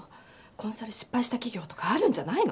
コンサル失敗した企業とかあるんじゃないの？